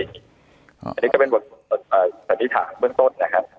อันนี้ก็มึงวิทยาร่างเมืองต้น